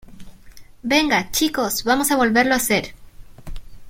venga, chicos , vamos a volverlo a hacer